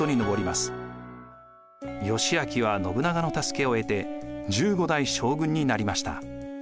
義昭は信長の助けを得て１５代将軍になりました。